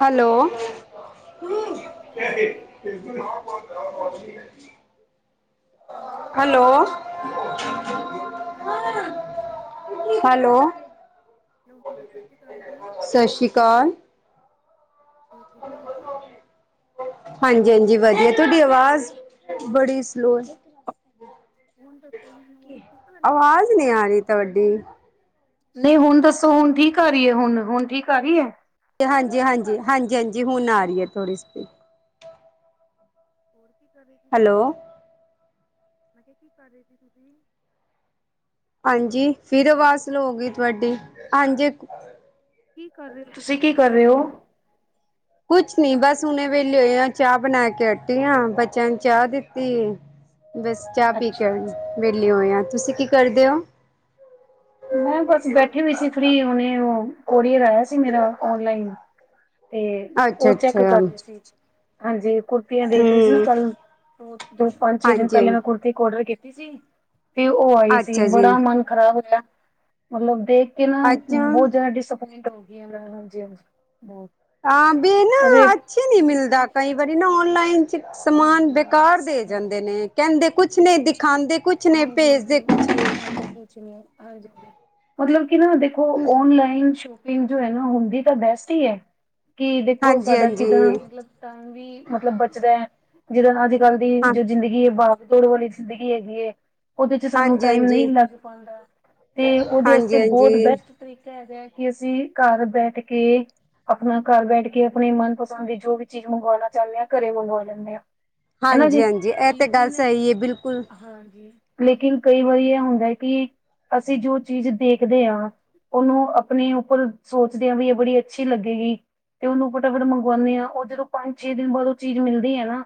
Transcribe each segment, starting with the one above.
Hello ਸਤਿ ਸ਼੍ਰੀ ਅਕਾਲ ਜੀ [inaudible] ਹੈਲੋ! ਹੈਲੋ ਹਾਂਜੀ, ਸਤਿ ਸ਼੍ਰੀ ਅਕਾਲ ਜੀ। ਹੈਲੋ, ਹੈਲੋ ਹਾਂਜੀ ਸਤਿ ਸ਼੍ਰੀ ਅਕਾਲ ਜੀ ਸਤਿ ਸ਼੍ਰੀ ਅਕਾਲ। ਹੋਰ ਠੀਕ ਹੋ ਤੁਸੀਂ ਹਾਂਜੀ-ਹਾਂਜੀ, ਵਧੀਆ ਤੁ ਤੁਹਾਡੀ ਆਵਾਜ਼ ਬੜੀ ਸਲੋਅ ਹੁਣ ਦੱਸੋ ਹੁਣ ਹੈ ਆਵਾਜ਼ ਠੀਕ ਆ ਰਹੀ ਆਵਾਜ਼ ਨੀ ਆ ਰਹੀ ਹੈ ਤੁਵਾਡੀ ਨਹੀਂ ਹੁਣ ਦੱਸੋ ਹੁਣ ਠੀਕ ਆ ਰਹੀ ਹੈ? ਹੁਣ-ਹੁਣ ਠੀਕ ਆ ਰਹੀ ਹੈ? ਹਾਂਜੀ-ਹਾਂਜੀ, ਹਾਂਜੀ-ਹਾਂਜੀ ਹੁਣ ਆ ਰਹੀ ਹੈ ਥੋੜੀ ਸਤੀ ਹੋਰ ਕਿ ਕਰ ਰਹੇ ਸੀ ਤੁਸੀ? ਮੈਂ ਕਿਹਾ ਕਿ ਕਰ ਰਹੇ ਸੀ ਤੁਸੀਂ? ਹਾਂਜੀ, ਫਿਰ ਆਵਾਜ਼ ਸਲੋ ਗਈ ਤੁਹਾਡੀ। ਹਾਂਜੀ ਕਿ ਕਰ ਰਹੇ ਤੁਸੀਂ? ਕਿ ਕਰ ਰਹੇ ਹੋ? ਕੁਛ ਨੀ ਬਸ ਹੁਨ ਵੇਲੇਏ ਆ ਚਾਹ ਬਣਾ ਕੇ ਹਟੀਆਂ ਬੱਚਿਆਂ ਨੂੰ ਚਾਹ ਦਿੱਤੀ ਬਸ ਚਾਹ ਪੀ ਅੱਛਾ ਕੇ, ਜੀ, ਵਿਹਲੇ ਹੋਏ ਆ। ਤੁਸੀਂ ਕਿ ਕਰਦੇ ਹੋ? ਮੈਂ ਬਸ ਬੈਠੇ ਵੀ ਸੀ ਫਰੀ ਉਹਨੇ ਉਹ ਕੋਰੀਅਰ ਆਇਆ ਸੀ ਮੇਰਾ ਓਨਲਾਈਨ ਤੇ ਅੱਛਾ ਉਹ ਚੈੱਕ ਅੱਛਾ ਕਰ ਰਹੀ ਸੀ। ਹਾਂਜੀ, ਕੁੜਤੀਆਂ ਦੇਖ ਰਹੀ ਸੀ ਹੂੰ ਨਾ ਕੱਲ। ਦੋ, ਪੰਜ- ਛੇ ਦਿਨ ਹਾਂਜੀ ਪਹਿਲਾਂ ਮੈਂ ਕੁੜਤੀ ਔਡਰ ਕੀਤੀ ਸੀ ਤੇ ਉਹ ਆਈ ਸੀ। ਅੱਛਾ ਜੀ। ਬੜਾ ਮਨ ਖ਼ਰਾਬ ਹੋਇਆ ਮਤਲਬ ਦੇਖ ਨਾ ਅੱਛਾ ਬਹੁਤ ਜ਼ਿਆਦਾ ਡਿਸਪਇੰਟ ਹੋ ਗਈ ਹਜੀ ਹਾਂ ਬ ਹਾਂ ਵੀ ਨਾ ਅੱਛੇ ਨੀ ਮਿਲਦਾ ਕਈ ਵਾਰੀ ਨਾ ਔਨਲਾਈਨ ਚ ਸਮਾਨ ਬੇਕਾਰ ਦੇ ਜਾ ਹਾਂਜੀ ਕਹਿੰਦੇ ਨੇ, ਹਾਂਜੀ। ਕਹਿੰਦੇ ਕੁਛ ਨੇ, ਬਈ ਦਿਖਾਉਂਦੇ ਕੁਛ ਨੇ, ਹਾਂਜੀ ਭੇਜਦੇ ਕੁਛ ਨੇ। ਹ ਮਤਲਬ ਕਿ ਨਾ ਦੇਖੋ, ਓਨਲਾਈਨ ਚ ਜੋ ਹੈ ਨਾ, ਹੁੰਦੀ ਤਾਂ ਬੈਸਟ ਹੀ ਹੈ। ਕਿ ਦੇਖੋ ਹਾਂਜੀ ਸਾਡਾ ਹਾਂਜੀ ਕਿੱਦਾਂ ਮਤਲਬ ਟਾਈਮ ਵੀ ਮਤਲਬ ਬਚਦਾ ਹੈ। ਜਿਦੇ ਨਾਲ ਗੱਲ ਦੀ ਹਾਂ ਜੋ, ਜ਼ਿੰਦਗੀ ਹੈ। ਭਾਗ- ਤੋੜ, ਵਾਲੀ ਜ਼ਿੰਦਗੀ ਹੈਗੀ ਹੈ। ਉਹਦੇ ਚ ਸਾਨੂੰ ਹਾਂਜੀ ਟਾਈਮ ਹਾਂਜੀ ਨਹੀਂ ਲੱਗ ਪਾਉਦਾ। ਤੇ ਉਹਦੇ ਹਾਂਜੀ ਵਾਸਤੇ ਬਹੁਤ ਹਾਂਜੀ ਬੈਸਟ ਤਰੀਕੇ ਕਿ, ਅਸੀਂ ਘਰ ਬੈਠ ਕੇ ਆਪਣਾ ਘਰ ਬੈਠ ਕੇ, ਆਪਣੀ ਮਨਪਸੰਦ ਦੀ ਜੋ ਵੀ, ਚੀਜ਼ ਮੰਗਵਾਉਣਾ ਚਾਹੁੰਦੇ ਹਾਂ। ਘਰੇ ਮੰਗਵਾ ਲੈਂਦੇ ਆ। ਹਨਾ ਹਾਂਜੀ ਜੀ, ਹਾਂਜੀ ਇਹ ਤੇ ਗੱਲ ਲੇਕਿਨ ਸਹੀ ਹੈ ਬਿਲਕੁਲ ਹਾਂਜੀ। ਲੇਕਿਨ, ਕਈ ਵਾਰੀ ਇਹ ਹੁੰਦਾ ਕਿ, ਅਸੀਂ ਜੋ ਚੀਜ਼ ਦੇਖਦੇ ਹਾਂ। ਉਹਨੂੰ, ਆਪਣੇ ਉੱਪਰ ਸੋਚਦੇਿਆਂ ਵੀ, ਇਹ ਬੜੀ ਅੱਛੀ ਲੱਗੇਗੀ। ਤੇ ਉਹਨੂੰ ਫਟਾਫਟ ਮੰਗਵਾਉਂਦੇ ਆ। ਉਹ ਜਦੋਂ ਪੰਜ, ਛੇ ਦਿਨ ਬਾਅਦ ਉਹ ਚੀਜ਼ ਮਿਲਦੀ ਹੈ। ਨਾ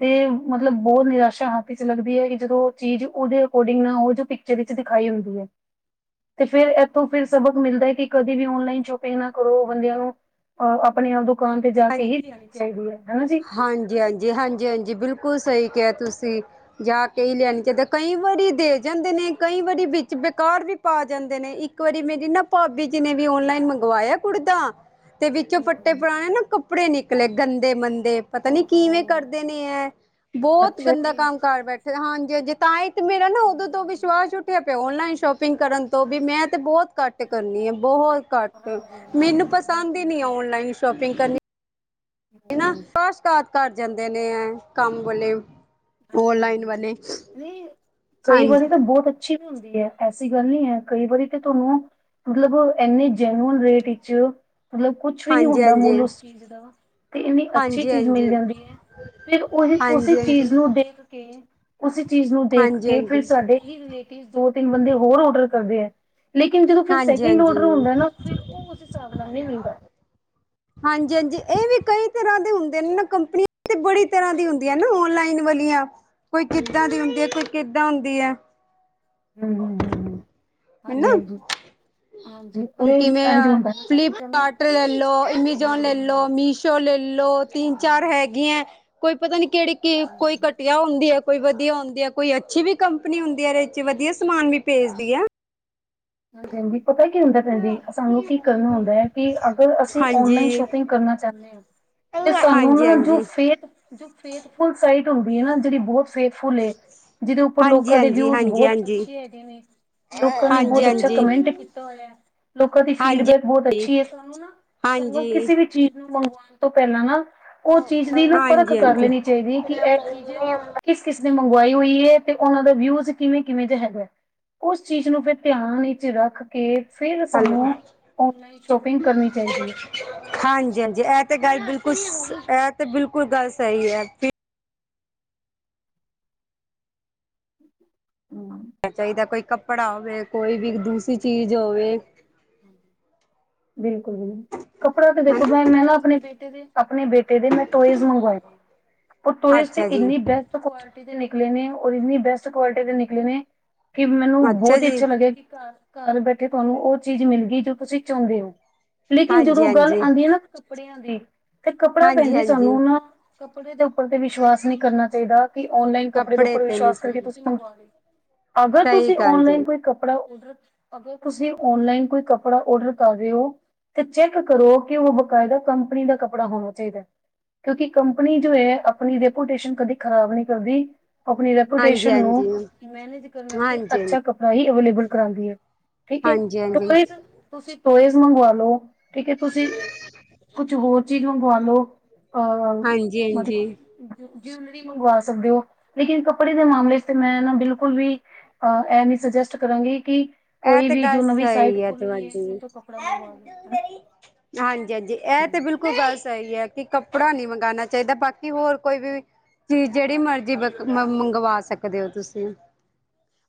ਤੇ, ਮਤਲਬ ਬਹੁਤ ਨਿਰਾਸ਼ਾ ਹੱਥ ਚ ਲੱਗਦੀ ਹੈ। ਕਿ ਜਦੋਂ ਉਹ ਚੀਜ਼, ਉਹਦੇ ਅਕੋਰਡਿੰਗ, ਨਾ ਉਹ ਜੋ ਪਿਕਚਰ ਵਿੱਚ ਦਿਖਾਈ, ਹੁੰਦੀ ਹੈ। ਤੇ ਫੇਰ ਇੱਥੋਂ, ਫੇਰ ਸਬਕ ਮਿਲਦਾੜਹੈ, ਕਿ ਕਦੇ ਵੀ ਓਨਲਾਈਨ ਸ਼ੋਪਿੰਗ ਨਾ, ਕਰੋ ਬੰਦਿਆਂ ਨੂੰ ਆ ਆਪਣੇ ਆਪ ਬੁੱਕ। ਹ ਹਾਂਜੀ -ਹਾਂਜੀ, -ਹਾਂਜੀ -ਹਾਂਜੀ, ਬਿਲਕੁਲ ਸਹੀ। ਕਿਹਾਂ ਤੁਸੀਂ, ਜਾ ਕੇ ਹੀ, ਲੈਣੀ ਚਾਹੀਦਾ। ਕਈ ਵਾਰੀ ਦੇ ਜਾਂਦੇ ਨੇ, ਕਈ ਵਾਰੀ ਵਿੱਚ ਬੇਕਾਰ ਵੀ। ਪਾ ਜਾਂਦੇ ਨੇ, ਇੱਕ ਵਾਰੀ, ਮੇਰੀ ਨਾ ਭਾਬੀ ਜੀ ਨੇ ਵੀ, ਓਨਲਾਈਨ ਮੰਗਵਾਇਆ ਕੁੜਤਾ। ਤੇ ਵਿੱਚੋਂ, ਹੂੰ ਫਟੇ- ਹੂੰ ਪੁਰਾਣੇ। ਕੱਪੜੇ ਨਿਕਲੇ। ਗੰਦੇ- ਮੰਦੇ ਤੇ, ਪਤਾ ਨੀ, ਕਿਵੇਂ ਓਹੋ ਕਰਦੇ ਨੇ ਏ। ਬਹੁਤ ਅੱਛਾ। ਗੰਦਾ ਜੀ ਕੰਮ ਕਾਰ ਬੈਠੇ। ਹਾਂਜੀ -ਹਾਂਜੀ, ਤਾਂ ਹੀ ਤੇ ਮੇਰਾ ਨਾ ਉਦੋਂ ਹਾਂਜੀ ਤੋਂ ਹਾਂਜੀ ਵਿਸ਼ਵਾਸ ਉੱਠਿਆ ਔਨਲਾਈਨ ਸ਼ੋਪਿੰਗ ਕਰਨ ਤੋਂ ਵੀ, ਮੈਂ, ਤੇ ਬਹੁਤ ਘੱਟ ਕਰਨੀ ਆ ਬਹੁਤ। ਘੱਟ ਹਾਂਜੀ ਹਾਂਜੀ ਮੈਨੂੰ, ਪਸੰਦ ਹਾਂਜੀ ਹੀ ਨੀ, ਔਨਲਾਈਨ ਸ਼ੋਪਿੰਗ ਕਰਨੀ। ਹਾਂਜੀ ਘਰ ਜਾਂਦੇ ਨੇ ਹੈ, ਕੰਮ ਵਾਲੇ ਓਨਲਾਈਨ ਵਾਲੇ ਕਈ, ਵਾਰੀ ਹਾਂਜੀ ਤਾਂ ਬਹੁਤ ਅੱਛੀ, ਵੀ ਹੁੰਦੀ ਹੈ। ਐਸੀ ਗੱਲ ਨੀ ਹੈ। ਕਈ ਵਾਰੀ ਤੇ ਤੁਹਾਨੂੰ ਮਤਲਬ, ਇੰਨੇ ਜੈਨਊਨ ਰੇਟ ਵਿੱਚ ਮਤਲਬ, ਕੁਛ ਵੀ ਨਹੀਂ ਹਾਂਜੀ ਹੁੰਦਾ ਹਾਂਜੀ ਮੁੱਲ ਉਸ ਚੀਜ਼ ਦਾ। ਤੇ ਇਨੀ, ਅੱਛੀ ਹਾਂਜੀ ਚੀਜ਼ ਮਿਲ ਹਾਂਜੀ ਹਾਂਜੀ ਜਾਂਦੀ ਹੈ। ਫੇਰ, ਉਹੀ, ਉਸੇ ਹਾਂਜੀ ਚੀਜ਼ ਹਾਂਜੀ ਨੂੰ ਦੇਖ ਕੇ ਉਸੀ ਚੀਜ਼ ਨੂੰ ਦੇਖ ਹਾਂਜੀ ਕੇ, ਫੇਰ ਹਾਂਜੀ ਸਾਡੇ ਹੀ, ਰਿਲੇਟਿਵ ਦੋ, ਤਿੰਨ ਬੰਦੇ ਹੋਰ ਔਡਰ ਕਰਦੇ ਹੈ। ਲੇਕਿਨ ਜਦੋਂ ਫ ਹਾਂਜੀ ਸੈਕਿੰਡ ਔਡਰ ਹੁੰਦਾ ਨਾ। ਫੇਰ ਉਹ, ਉਸ ਹਿਸਾਬ ਨਾਲ ਨਹੀਂ ਮਿਲਦਾ। ਹਾਂਜੀ- ਹਾਂਜੀ, ਇਹ ਵੀ ਕਈ ਤਰਾਂ ਦੇ ਹੁੰਦੇ ਨੇ ਕੰਪਨੀਆਂ। ਤੇ, ਬੜੀ ਤਰਾਂ ਦੀ ਹੁੰਦੀਆਂ ਨਾ, ਓਨਲਾਈਨ ਵਾਲੀਆਂ। ਕੋਈ ਕਿੱਦਾਂ ਦੀ ਹੁੰਦੀ ਹੈ। ਕੋਈ ਕਿੱਦਾਂ ਹੁੰਦੀ ਹੈ। ਹੂੰ- ਹੂੰ, ਹੂੰ -ਹੂੰ, ਹਾਂਜੀ ਹਨਾ -ਹਾਂਜੀ। ਹਾਂਜੀ ਹੁਣ ਅਰੇ ਕਿਵੇਂ ਇੰਝ ਆ। ਹੁੰਦਾ ਨਾ ਜਿਵੇਂ ਫਲਿਪਕਾਰਟ ਲੈਲੋ, ਅਮਾਜੋਨ ਹਾਂ ਲੈਲੋ, ਮੀਸ਼ੋ ਲੈ ਲੈਲੋ ਤਿੰਨ, ਚਾਰ ਹਾਂ। ਹੈਗੀਆਂ। ਕੋਈ ਪਤਾ ਨੀ ਕਿਹੜੀ, ਕਿ ਕੋਈ ਘਟੀਆ ਹੁੰਦੀ ਹੈ। ਕੋਈ ਵਧੀਆ ਹੁੰਦੀ ਆ। ਕੋਈ ਅੱਛੀ ਵੀ, ਕੰਪਨੀ ਹੁੰਦੀ ਆ। ਵਿੱਚ ਵਧੀਆ ਸਮਾਨ ਵੀ, ਭੇਜਦੀ ਆ। ਹਾ ਕਹਿੰਦੀ। ਪਤਾ ਕੀ ਹੁੰਦਾ। ਭੈਣ ਜੀ, ਸਾਨੂੰ ਕੀ ਕਰਨਾ ਹੁੰਦਾ ਹੈ। ਕਿ ਅਗਰ ਅਸੀਂ ਓਨਲਾਈਨ ਹਾਂਜੀ, ਸ਼ੋਪਿੰਗ ਕਰਨਾ ਚਾਹੁੰਦੇ ਹਾਂ। ਤੇ ਸਾਨੂੰ ਨਾ, ਜੋ ਹਾਂਜੀ-ਹਾਂਜੀ। ਫੇਥ, ਫੈਥਫੁੱਲ ਸਾਈਟ ਹੁੰਦੀ ਹੈ। ਨਾ ਜਿਹੜੀ ਬਹੁਤ। ਫੈਥਫੁੱਲ ਏ। ਜਿਹਦੇ ਉੱਪਰ ਲੋਕਾਂ ਦੇ ਹਾਂਜੀ-ਹਾਂਜੀ, ਵਿਊਜ਼ ਬਹੁਤ ਹਾਂਜੀ-ਹਾਂਜੀ, ਅੱਛੇ, ਹੈਗੇ ਨੇ। ਲੋਕਾਂ ਨੇ, ਬਹੁਤ ਅੱਛੀ। ਅੱਛਾ, ਹਾਂਜੀ-ਹਾਂਜੀ, ਕਮੈਂਟ ਕੀਤਾ ਹੋਇਆ ਹੈ। ਲੋਕਾਂ ਦੀ ਹਾਂਜੀ। ਫੀਡਬੈਕ ਬਹੁਤ ਅੱਛੀ ਹੈ। ਸਾਨੂੰ ਨਾ, ਸਾਨੂੰ ਹਾਂਜੀ, ਕਿਸੇ ਵੀ ਚੀਜ਼ ਨੂੰ, ਮੰਗਵਾਉਣ ਤੋਂ ਪਹਿਲਾਂ ਨਾ। ਉਹ ਚੀਜ਼ ਦੀ ਨਾ, ਪਰਖ ਕਰ ਹਾਂਜੀ-ਹਾਂਜੀ। ਲੈਣੀ ਚਾਹੀਦੀ ਏ। ਕਿ ਇਹ ਚੀਜ਼ ਕਿਸ- ਕਿਸ। ਨੇ ਮੰਗਵਾਈ ਹੋਈ ਹੈ। ਤੇ, ਉਹਨਾਂ ਦਾ ਵਿਊਜ ਕਿਵੇਂ- ਕਿਵੇਂ, ਦੇ ਹੈਗਾ ਨੇ, ਉਸ ਚੀਜ਼ ਨੂੰ ਫੇਰ ਧਿਆਨ। ਵਿੱਚ, ਰੱਖ ਕੇ। ਫਿਰ ਹੈਲੋ, ਸਾਨੂੰ ਓਨਲਾਈਨ ਸ਼ੋਪਿੰਗ ਕਰਨੀ ਚਾਹੀਦੀ ਹੈ। ਹਾਂਜੀ-ਹਾਂਜੀ ਇਹ ਤੇ ਗੱਲ ਬਿਲਕੁਲ ਇਹ ਤੇ ਬਿਲਕੁਲ ਗੱਲ ਸਹੀ ਹੈ। ਹਮ ਚਾਹੀਦਾ ਕੋਈ ਕੱਪੜਾ ਹੋਵੇ ਕੋਈ ਵੀ ਦੂਸਰੀ ਹਾਂਜੀ ਚੀਜ਼ ਹਾਂਜੀ ਹੋਵੇ। ਹਾਂਜੀ ਹਾਂਜੀ ਬਿਲਕੁਲ ਕੱਪੜਾ ਤੇ ਦੇਖੋ ਮੈਂ ਹਨਾ ਮੈਂ ਨਾ ਆਪਣੇ ਬੇਟੇ ਦੇ ਆਪਣੇ ਬੇਟੇ ਦੇ ਮੈਂ ਟਾਏਸ ਮੰਗਵਾਏ। ਓਹ ਟੋਇਜ਼ ਤੇ ਅੱਛਾ ਜੀ ਇੰਨੀ ਬੈਸਟ ਕੁਆਲਿਟੀ। ਨਿਕਲੇ ਨੇ ਔਰ ਇੰਨੀ ਬੈਸਟ ਕੁਆਲਿਟੀ ਦੇ ਨਿਕਲੇ ਨੇ ਕਿ ਮੈਨੂੰ ਬਹੁਤ ਹੀ ਅੱਛਾ ਲੱਗਿਆ ਕਿ ਘਰ। ਘਰ ਬੈਠੇ ਤੁਹਾਨੂੰ ਉਹ ਚੀਜ਼ ਮਿਲ ਗਈ ਜੋ ਤੁਸੀਂ ਚਾਹੁੰਦੇ ਹੋ ਲੇਕਿਨ ਹਾਂਜੀ ਜਦੋਂ ਗੱਲ ਹਾਂਜੀ ਆਉਂਦੀ ਹੈ ਨਾ। ਕੱਪੜਿਆਂ ਦੀ ਤੇ ਕੱਪੜਾ ਭੈਣ ਹਾਂਜੀ ਜੀ ਹਾਂਜੀ ਸਾਨੂੰ ਨਾ ਕੱਪੜੇ ਦੇ ਉੱਪਰ ਤੇ ਵਿਸ਼ਵਾਸ ਨਹੀ ਕਰਨਾ ਚਾਹੀਦਾ। ਕਿ ਔਨਲਾਈਨ ਕੱਪੜੇ ਦੇ ਉਪਰ ਤੇ ਨਹੀਂ ਵਿਸ਼ਵਾਸ ਕਰਕੇ ਸਹੀ ਤੁਸੀ ਮੰਗਵਾ ਲਓ। ਅਗਰ ਸਹੀ ਤੁਸੀਂ ਗੱਲ ਜੀ ਔਨਲਾਈਨ ਕੋਈ ਕੱਪੜਾ ਔਡਰ। ਅਗਰ ਤੁਸੀਂ ਔਨਲਾਈਨ ਕੋਈ ਕੱਪੜਾ ਆਰਡਰ ਕਰ ਰਹੇ ਹੋ। ਤੇ ਚੈੱਕ ਕਰੋ ਕਿ ਉਹ ਬਕਾਇਦਾ ਕੰਪਨੀ ਦਾ ਕੱਪੜਾ ਹੋਣਾ ਚਾਹੀਦਾ। ਕਿਉਂਕਿ ਕੰਪਨੀ ਜੋ ਹੈ ਆਪਣੀ ਰੈਪੂਟੇਸ਼ਨ ਕਦੇ ਖ਼ਰਾਬ ਨਹੀ ਕਰਦੀ। ਆਪਣੀ ਹਾਂਜੀ ਰੇਪੁੱਟੇਸ਼ਨ ਨੂੰ ਹਾਂਜੀ ਹਾਂਜੀ ਮੈਨੇਜ ਕਰਨ ਵਾਸਤੇ ਹਾਂਜੀ ਅੱਛਾ ਕੱਪੜਾ ਹੀ ਅਵੇਲੇਬਲ ਕਰਾਂਦੀ ਹੈ। ਠੀਕ ਹੈ ਹਾਂਜੀ ਟੋਏਜ਼ ਤੁਸੀਂ ਟੋਏਜ਼ ਮੰਗਵਾ ਲੋ। ਠੀਕ ਹੈ, ਤੁਸੀਂ ਕੁਛ, ਹੋਰ ਚੀਜ਼ ਮੰਗਵਾ ਲੋ। ਹਾਂਜੀ ਹਾਂਜੀ। ਜੁਲਰੀ ਮੰਗਵਾ ਸਕਦੇ ਹੋ ਲੇਕਿਨ ਕੱਪੜੇ ਦੇ ਮਾਮਲੇ ਚ ਤੇ ਮੈਂ ਨਾ ਬਿਲਕੁਲ ਵੀ। ਅ ਐਵੇ ਹੀ ਸੁਜੈਸਟ ਕਰਾਂਗੀ ਕਿ। ਇਹ ਕੋਈ ਤੇ ਵੀ ਜੋ ਗੱਲ ਨਵੀ ਸਾਈਟ ਸਹੀ ਖੁਲ ਰਹੀ ਹੈ ਤੁਹਾਡੀ ਉਥੋਂ ਕੱਪੜਾ ਮੰਗਵਾ ਲੋ। ਹਾਂਜੀ ਹਾਂਜੀ ਇਹ ਤੇ ਬਿਲਕੁਲ ਗੱਲ ਸਹੀ ਹੈ ਕਿ ਕੱਪੜਾ ਨਹੀ ਮੰਗਉਣਾ ਚਾਹੀਦਾ ਬਾਕੀ ਹੋਰ ਕੋਈ ਵੀ। ਜੀ ਜਿਹੜੀ, ਮਰਜ਼ੀ ਮੰਗਵਾ ਸਕਦੇ ਹੋ। ਤੁਸੀਂ।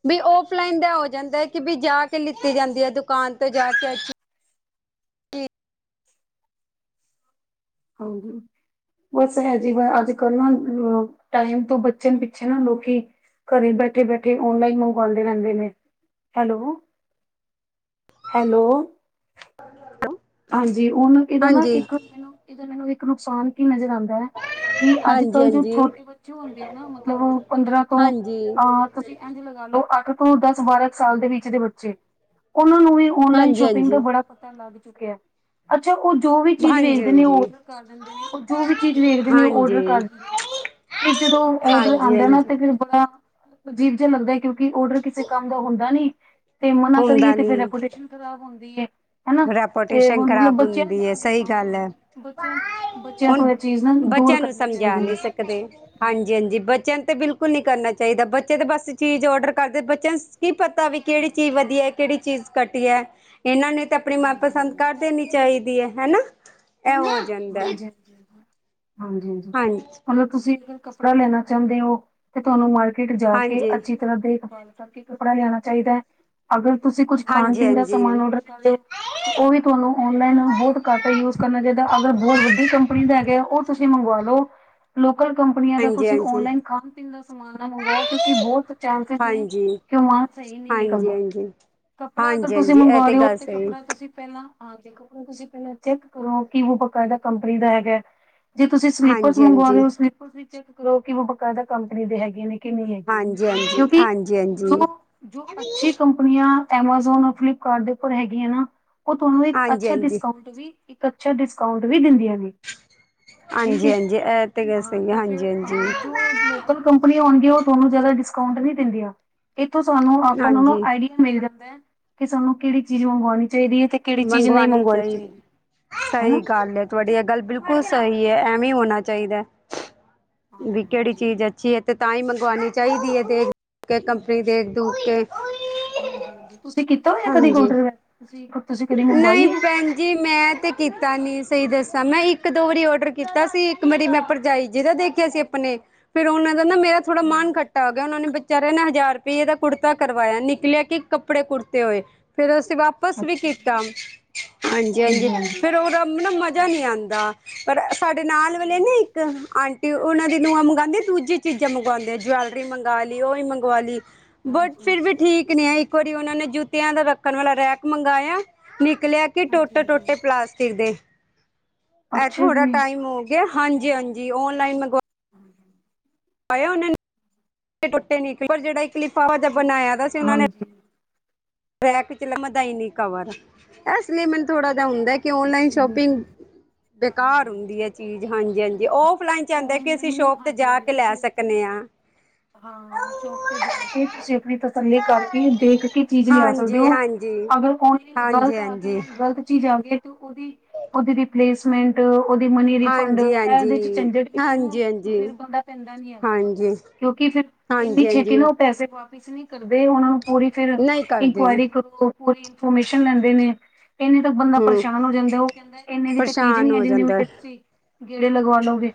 ਬੀ ਊਫ਼ਲਾਇਨ ਦਾ ਹੋ ਜਾਂਦਾ ਕਿ ਬੀ ਜਾ ਕੇ ਲਿੱਤੀ ਜਾਂਦੀ ਹੈ ਦੁਕਾਨ ਤੋਂ ਜਾ ਕੇ। ਹਜੀ ਬਸ ਹੈ ਜੀ ਅੱਜ ਕੱਲ੍ਹ ਨਾ ਅ ਟਾਈਮ ਤੋਂ ਬਚਣ ਪਿੱਛੇ ਨਾ ਲੋਕੀ। ਘਰੇ ਬੈਠੇ ਬੈਠੇ ਓਨਲਾਈਨ ਮੰਗਵਾਂਦੇ ਰਹਿੰਦੇ ਨੇ ਹੈਲੋ। ਹੈਲੋ ਹਾਂਜੀ ਉਹਨਾਂ ਇਹਦਾ ਨਾ ਹਾਂਜੀ ਇੱਕ ਮੈਨੂੰ ਇਹਦਾ ਮੈਨੂੰ ਇੱਕ ਨੁਕਸਾਨ ਕੀ ਨਜ਼ਰ ਆਉਂਦਾ ਹੈ। ਕਿ ਅੱਜ ਹਾਂਜੀ ਕੱਲ੍ਹ ਜੋ ਹਾਂਜੀ ਛੋਟੇ ਬੱਚੇ ਹੁੰਦੇ ਆ ਨਾ ਮਤਲਬ ਉਹ ਪੰਦਰਾਂ ਤੋਂ। ਹਾਂਜੀ, ਅਹ ਤੁਸੀਂ ਇਝ ਲਗਾ ਲੋ ਅੱਠ ਤੋਂ ਦਸ ਬਾਰਾਂ ਸਾਲ ਦੇ ਵਿੱਚ। ਵਿਚ ਦੇ ਬੱਚੇ ਉਹਨਾਂ ਨੂੰ ਵੀ ਓਨਲਾਈਨ ਹਾਂਜੀ, ਸ਼ੋਪਿੰਗ ਦਾ ਹਾਂਜੀ, ਬੜਾ ਪਤਾ ਲੱਗ ਚੁੱਕਿਆ। ਅੱਛਾ ਉਹ ਜੋ ਵੀ ਚੀਜ਼ ਵੇਖਦੇ ਹਾਂਜੀ, ਨੇ ਉਹ ਹਾਂਜੀ। ਓਡਰ ਕਰ ਦਿੰਦੇ ਨੇ ਉਹ ਜੋ ਵੀ ਚੀਜ਼ ਵੇਖਦੇ ਨੇ ਉਹ ਓਡਰ ਹਾਂਜੀ। ਕਰ ਦਿੰਦੇ ਨੇ। ਫਿਰ ਜਦੋਂ ਹਾਂਜੀ, ਔਡਰ ਆਉਂਦਾ ਨਾ ਹਾਂਜੀ ਤੇ ਫਿਰ ਬੜਾ। ਅਜੀਬ ਜਿਹਾ ਲੱਗਦਾ ਕਿਉਂਕਿ ਔਡਰ ਕਿਸੇ ਕੰਮ ਦਾ ਹੁੰਦਾ ਨੀ। ਤੇ ਮਨਾ ਕਰੀਏ ਹੁੰਦਾ ਤੇ ਫਿਰ ਰੈਪੂਟੇਸ਼ਨ ਖ਼ਰਾਬ ਹੁੰਦੀ ਹੈ। ਰੈਪੋ ਰੈਪੂਟੇਸ਼ਨ ਖਰਾਬ ਹੁੰਦੀ ਹੈ ਸਹੀ ਗੱਲ ਹਾਂ ਹੈ ਬੱਚਿਆਂ ਬੱਚਿਆਂ ਹੁਣ ਤੋਂ ਇਹ ਚੀਜ਼ ਨਾ ਦੂਰ ਬੱਚਿਆਂ ਨੂੰ ਕਰਨੀ ਸਮਝਾ। ਚਾਹੀਦੀ ਨਹੀਂ ਹੈ। ਸਕਦੇ ਹਾਂਜੀ ਹਾਂਜੀ। ਜੀ ਬੱਚਿਆਂ ਨੂੰ ਤੇ ਬਿਲਕੁਲ ਨਹੀ ਕਰਨਾ ਚਾਹੀਦਾ ਬੱਚੇ ਤਾਂ ਬਸ ਚੀਜ਼ ਔਡਰ ਕਰਦੇ ਬੱਚਿਆਂ ਨੂੰ ਕੀ ਪਤਾ ਵੀ ਕਿਹੜੀ ਚੀਜ਼। ਵਧੀਆ ਕਿਹੜੀ ਚੀਜ਼ ਘਟੀਆ ਹੈ ਇਹਨਾਂ ਨੂੰ ਤਾਂ ਆਪਣੀ ਹਾਂਜੀ ਮਨਪਸੰਦ ਹਾਂਜੀ ਕਰ ਦੇਣੀ ਚਾਹੀਦੀ ਹੈ ਹੈ ਨਾ। ਇਹ ਹੋ ਜਾਂਦਾ। ਹਾਂਜੀ ਹਾਂਜੀ ਹਾਂਜੀ ਹਾਂਜੀ ਮਤਲਬ ਤੁਸੀਂ ਕੱਪੜਾ ਲੈਣਾ ਚਾਹੁੰਦੇ ਹੋ ਤੇ ਤੁਹਾਨੂੰ ਮ। ਤੇ ਜਾ ਕੇ ਹਾਂਜੀ, ਅੱਛੀ ਤਰ੍ਹਾਂ ਦੇਖ ਭਾਲ ਕਰਕੇ ਕੱਪੜਾ ਲਿਆਣਾ ਚਾਹੀਦਾ ਹੈ ਅਗਰ। ਤੁਸੀਂ ਕੁਝ ਖਾਣ ਹਾਂਜੀ, ਪੀਣ ਦਾ ਸਮਾਨ ਹਾਂਜੀ। ਆਰਡਰ ਕਰ ਲਓ ਉਹ ਵੀ ਤੁਹਾਨੂੰ ਆਨਲਾਈਨ ਬਹੁਤ ਘੱਟ ਯੂਜ ਕਰਨਾ ਚਾਹੀਦਾ। ਅਗਰ ਬਹੁਤ ਵੱਡੀ ਕੰਪਨੀ ਦਾ ਹੈਗਾ। ਉਹ ਤੁਸੀਂ ਮੰਗਵਾ ਲਓ ਲੋਕਲ। ਲੋਕਲ ਕੰਪਨੀਆਂ ਦਾ ਹਾਂਜੀ ਤੁਸੀਂ ਹਾਂਜੀ ਆਨਲਾਈਨ ਖਾਣ ਪੀਣ ਦਾ ਸਮਾਨ ਨਾ ਮੰਗਵਾਓ ਕਿਉਂਕਿ ਬਹੁਤ ਚਾਂਸਿਸ ਨੇ ਹਾਂਜੀ ਕਿ। ਸਹੀ ਹਾਂਜੀ ਨਹੀਂ ਹਾਂਜੀ ਨਿਕਲਦਾ ਕੱਪੜਾ ਅਗਰ ਹਾਂਜੀ ਹਾਂਜੀ ਤੁਸੀਂ ਇਹ ਮੰਗਵਾ ਰਹੇ ਹੋ ਗੱਲ ਤੇ ਸਹੀ ਕੱਪੜਾ ਤੁਸੀਂ ਪਹਿਲਾਂ। ਹਾਂ ਦੇਖੋ ਤੁਸੀ ਪਹਿਲਾਂ ਚੈੱਕ ਕਰੋ ਕਿ ਉਹ ਬਕਾਇਦਾ ਕੰਪਨੀ ਦਾ ਹੈਗਾ। ਜੇ ਤੁਸੀਂ ਸਲੀਪਰਸ ਹਾਂਜੀ ਮੰਗਵਾ ਹਾਂਜੀ ਰਹੇ ਹੋ ਸਲੀਪਰ ਵੀ ਚੈੱਕ ਕਰੋ ਕਿ ਬਕਾਇਦਾ ਕੰਪਨੀ ਦੇ ਹੈਗੇ ਨੇ। ਕਿ ਨਹੀਂ ਹੈਗੀਆਂ ਹਾਂਜੀ ਹਾਂਜੀ ਕਿਉਂਕਿ ਹਾਂਜੀ ਹਾਂਜੀ ਜੋ, ਜੋ ਹਾਂਜੀ ਅੱਛੀ ਕੰਪਨੀਆਂ ਐਮਾਜ਼ੋਨ, ਫਲਿਪਕਾਰਟ ਦੇ ਉਪਰ ਹੈਗੀ ਆ ਨਾ ਉਹ ਤੁਹਾਨੂੰ ਇੱਕ ਅੱਛਾ ਹਾਂਜੀ ਡਿਸਕਾਂਟ ਵੀ ਅੱਛਾ ਡਿਸਕਾਊਂਟ ਵੀ ਦਿੰਦੀਆਂ ਨੇ। ਹਾਂਜੀ ਠੀਕ ਹੈ ਹਾਂਜੀ ਇਹ ਤੇ ਗੱਲ ਸਹੀ ਹੈ। ਹਾਂ ਹਾਂਜੀ ਫਿਰ ਜੋ ਲੋਕਲ ਹਾਂਜੀ ਕੰਪਨੀ ਹੋਣਗੀਆਂ ਉਹ ਤੁਹਾਨੂੰ ਜ਼ਿਆਦਾ ਡਿਸਕਾਊਂਟ ਨੀ ਦਿੰਦੀਆਂ ਇਥੋਂ ਸਾਨੂੰ ਆਪਾਂ ਨੂੰ ਨਾ ਹਾਂਜੀ ਆਈਡੀਆ ਮਿਲ ਜਾਂਦਾ ਕਿ ਸਾਨੂੰ ਕਿਹੜੀ ਚੀਜ਼ ਮੰਗਵਾਉਣੀ ਚਾਹੀਦੀ ਹੈ ਤੇ ਕਿਹੜੀ ਚੀਜ਼ ਨਹੀਂ ਮੰਗਵਾਉਣੀ ਚਾਹੀਦੀ। ਸਹੀ ਹਨਾ ਗੱਲ ਹੈ ਤੁਹਾਡੀ ਇਹ ਗੱਲ ਬਿਲਕੁਲ ਸਹੀ ਹੈ ਐਵੇਂ ਹੋਣਾ ਚਾਹੀਦਾ। ਹਾਂ ਵੀ ਹਾਂ ਕਿਹੜੀ ਜੀ ਚੀਜ਼ ਅੱਛੀ ਹੈ ਤੇ ਤਾਂ ਹੀ ਮੰਗਵਾਨੀ ਚਾਹੀਦੀ ਹੈ ਦੇਖ ਦੂਖ ਕੇ ਕੰਪਨੀ ਦੇਖ ਦੂਖ ਕੇ ਤੁਸੀਂ ਕੀਤਾ ਹੋਇਆ ਕਦੀ ਹਾਂਜੀ [unintelligible] ਨਹੀਂ ਮੰਗਵਾਈ ਹੈ? ਭੈਣ ਜੀ ਮੈਂ ਤੇ ਕੀਤਾ ਨੀ। ਸਹੀ ਦੱਸਾਂ ਮੈਂ ਇੱਕ ਦੋ ਵਾਰੀ ਔਡਰ ਕੀਤਾ ਸੀ ਇੱਕ ਮੇਰੀ ਮੈਂ ਭਰਜਾਈ ਜੀ ਦਾ ਦੇਖਿਆ ਸੀ ਆਪਣੇ ਫੇਰ ਉਨਾ ਫੇਰ ਮੇਰਾ ਥੋੜਾ ਹੂੰ। ਮਨੱ ਖੱਟਾ ਹੋ ਗਿਆ ਉਹਨਾਂ ਨੇ ਬੀਚਾਰਿਆ ਨੇ ਹਜ਼ਾਰ ਇਹਦਾ ਕੁੜਤਾ ਕਰਵਾਇਆ ਨਿਕਲਿਆ ਕਿ ਕੱਪੜੇ ਕੁੜਤੇ ਹੋਏ ਫੇਰ ਅਸੀਂ ਵਾਪਿਸ ਵੀ ਅੱਛਾ ਕੀ ਜੀ, ਹਾਂਜੀ-ਹਾਂਜੀ ਫੇਰ ਉਹਦਾ ਨਾ ਮਜ਼ਾ ਨਹੀਂ ਆਉਂਦਾ ਪਰ ਸਾਡੇ ਨਾਲ ਵਾਲੇ ਨੇ ਇੱਕ ਆਂ ਤੇ ਉਹਨਾਂ ਦੇ ਨੂੰਹਾਂ ਮੰਗਾਦੀਆਂ ਦੁਜੀ ਚੀਜ਼ਾਂ ਮੰਗਵਾਉਂਦੇ ਜੋਐਲਰੀ ਮੰਗਾ ਲਈ ਉਹ ਹੀ ਮੰਗਵਾ ਲੀ। ਬਟ ਫਿਰ ਵੀ ਹਾਂਜੀ-ਹਾਂਜੀ, ਠੀਕ ਨੀ ਆ ਇੱਕ ਵਾਰੀ ਉਹਨਾਂ ਨੇ ਜੁੱਤਿਆਂ ਦਾ ਰੱਖਣ ਵਾਲਾ ਰੈਕ ਮੰਗਾਇਆ ਨੀ ਨਿਕਲਿਆ ਕਿ ਹਾਂਜੀ-ਹਾਂਜੀ। ਟੋਟ-ਟੋਟੇ ਪਲਾਸਟਿਕ ਦੇ। ਇਹ ਅੱਛਾ ਜੀ। ਹਾਂਜੀ। ਅੱਛਾ ਥੋੜਾ ਜੀ, ਟਾਈਮ ਹੋ ਗਿਆ ਹਾਂਜੀ-ਹਾਂਜੀ ਓਨਲਾਈਨ ਮੰਗ ਪਆ ਉਹਨਾਂ ਨੇ ਟੋਟੇ-ਟੋਟੇ ਨਿਕਲੇ ਪਰ ਜਿਹੜਾ ਇਕ ਲਿਫਾਜਾ ਬਣਾਇਆ ਤਾਂ ਸੀ ਉਹਨਾਂ ਨੇ ਔਨਲਾਈਨ ਰੈਕ ਚ ਲੰਮਦਾ ਈ ਨੀ ਕਵਰ ਐਸ ਲਈ ਮੈਨੂੰ ਥੋੜਾ ਹੁੰਦਾ ਕਿ ਔਨਲਾਈਨ ਸ਼ੋਪਿੰਗ। ਬੇਕਾਰ ਹੁੰਦੀ ਹੈ ਚੀਜ਼ ਹਾਂਜੀ ਹਾਂਜੀ ਉਫਲਾਈਨ ਚ ਆਂਦੇ ਕਿ ਅਸੀਂ ਸ਼ੋਪ ਤੇ ਜਾ ਹਾਂਜੀ-ਹਾਂਜੀ ਕੇ ਲੈ ਤੁਸੀਂ ਸਕਨੇ ਹਾ। ਹ ਹਾਂ ਸ਼ੋਪ ਤੇ ਜਾ ਕੇ ਤੁਸੀਂ ਆਪਨੀ ਤਸੱਲੀ ਕਰਕੇ ਦੇਖ ਕੇ ਚੀਜ਼ ਲਿਆ ਸਕਦੇ ਹਾਂਜੀ ਹੋ ਹਾਂਜੀ ਅਗਰ ਓਨਲੀ ਹਾਂਜੀ ਗਲਤ ਆ ਗਈ ਹਾਂਜੀ ਗਲਤ ਚੀਜ਼ ਆ ਗਈ ਤੇ ਉਦੀ, ਉਦੀ ਰਿਪਲੇਸਮੈਂਟ ਉਹਦੀ ਮਨੀ ਰਿਫੰਡ ਇਹ ਹਾਂਜੀ ਉਹਦੇ ਚ ਹਾਂਜੀ ਚੰਜੜ ਵਿੱਚ ਨਾ ਹਾਂਜੀ ਫਿਰ ਬੰਦਾ ਪੈਂਦਾ ਨੀ ਹੈਗਾ। ਹਾਂਜੀ ਕਿਉਂਕਿ ਫਿਰ ਇੰਨੀ ਹਾਂਜੀ ਛੇਤੀ ਹਾਂਜੀ ਨਾ ਉਹ ਪੈਸੇ ਵਾ [unintelligible] ਕਰਦੇ ਹੁਣ ਪੂਰੀ ਫਰ ਨਹੀਂ ਕਰਦੇ ਇੰਕੁਆਇਰੀ ਕਰੋ ਪੂਰੀ ਇਨਫੋਰਮੇਸ਼ਨ ਲੈਂਦੇ ਨੇ [unintelligible] ਬੰਦਾ ਹੂੰ ਪਰੇਸ਼ਾਨ ਹੋ ਜਾਂਦਾ ਉਹ ਕਹਿੰਦਾ ਇੰਨੇ ਦੀ ਤਾਂ ਚੀਜ਼ ਪਰੇਸ਼ਾਨ ਨਹੀਂ ਹੈ ਹੋ ਜਿੰਨੇ ਜਾਂਦਾ ਦੇ ਤੁਸੀਂ ਗੇੜੇ ਲਗਵਾ ਲੋਗੇ।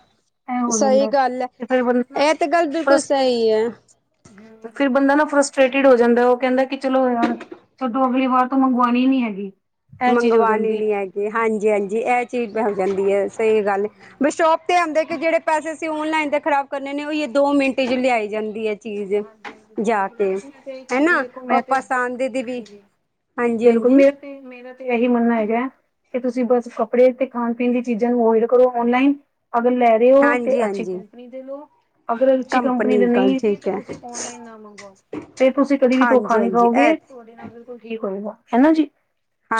ਐ ਹੋ ਸਹੀ ਜਾਂਦਾ ਗੱਲ ਹੈ ਤੇ ਫੇਰ ਬੰਦਾ ਨਾ ਇਹ ਤੇ ਗੱਲ ਬਿਲਕੁਲ ਸਹੀ ਹੈ ਫਰਸਟਰੇਟ ਫਿਰ ਬੰਦਾ ਨਾ ਫਰਸਟ੍ਰਟਿਡ ਹੋ ਜਾਂਦਾ ਉਹ ਕਹਿੰਦਾ ਕਿ ਚਲੋ ਹੋਰ ਛਡੋਂ ਅਗਲੀ ਵਾਰ ਤੋਂ ਮੰਗਵਾਣੀ ਨੀ ਹੈਗੀ ਇਹ ਚੀਜ਼ ਹੋ ਜਾ ਨਹੀਂ ਹੈਗੀ ਹਾਂਜੀ-ਹਾਂਜੀ ਇਹ ਚੀਜ਼ ਹੋ ਜਾਂਦੀ ਹੈ ਸਹੀ ਗੱਲ ਬਸ ਸ਼ੋਪ ਤੇ ਇਹ ਹੁੰਦਾ ਕਿ ਜਿਹੜੇ ਪੈਸੇ ਅਸੀ ਔਨਲਾਈਨ ਦੇ ਖ਼ਰਾਬ ਕਰਨੇ ਉਹੀਓ ਦੋ ਮਿੰਟ ਚ ਲਿਆਈ ਜਾਂਦੀ ਹੈ। ਚੀਜ਼ ਹਾਂਜੀ ਦੋ ਜਾ ਮਿੰਟ ਕੇ ਬਸ ਮੈਂ ਤੇ ਇਹੀ ਕਹਾਂਗੀ ਹਨਾ ਦੇਖੋ ਉਹ ਮੈਂ ਤੇ ਪਸੰਦ ਦੀ ਵੀ ਹਾਂਜੀ ਹਾਂਜੀ ਬਿਲਕੁਲ ਹਾਂਜੀ ਮੇਰੇ ਤੇ ਮੇਰਾ ਇਹੀ ਮੰਨਣਾ ਹੈਗਾ ਹੈ ਕਿ ਤੁਸੀਂ ਬਸ ਕੱਪੜੇ ਤੇ ਖਾਣ ਪੀਣ ਦੀ ਚੀਜ਼ਾਂ ਨੂੰ ਅਵੋਏਡ ਕਰੋ ਆਨਲਾਈਨ। ਅਗਰ ਲੈ ਰਹੇ ਹੋ ਤੇ ਹਾਂਜੀ ਅੱਛੀ ਹਾਂਜੀ ਕੰਪਨੀ ਦੇ ਲੋ, ਅਗਰ ਅੱਛੀ ਕੰਪਨੀ ਦੇ ਗੱਲ ਨਹੀਂ ਹੈਗੇ ਠੀਕ ਤਾਂ ਹੈ ਤੁਸੀਂ ਓਨਲਾਈਨ ਨਾ ਮੰਗਵਾਓ ਫ ਤੁਸੀਂ ਕਦੇ ਵੀ ਧੋਖਾ ਹਾਂਜੀ ਨੀ ਹਾਂਜੀ ਇਹ ਖਾਓਗੇ ਤੁਹਾਡੇ ਨਾਲ ਬਿਲਕੁਲ ਠੀਕ ਹੋਏਗਾ। ਹੈਨਾ ਜੀ।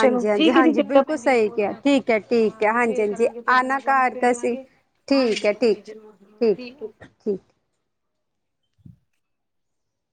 ਚਲੋ ਠੀਕ ਹੈ ਜੀ ਹਾਂਜੀ ਚੰਗਾ ਬਿਲਕੁਲ ਭੈਣ ਜੀ ਸਹੀ ਬਹੁਤ ਕਿਹਾ ਠੀਕ ਹੈ, ਠੀਕ ਹੈ ਹਾਂਜੀ ਫੇਰ ਹਾਂਜੀ-ਹਾਂਜੀ ਕਰਾਂਗੇ ਤੁਹਾਡੇ ਆਨਾ ਨਾਲ ਗੱਲ ਨਾ ਘਰ ਫੇਰ ਤੁਸੀ। ਕਰਾਂਗੇ ਠੀਕ ਹਾਂਜੀ ਹੈ ਠੀਕ, ਹਾਂਜੀ ਜ਼ਰੂਰ ਜ਼ਰੂਰ ਠੀਕ ਹੈ ਠੀਕ-ਠੀਕ।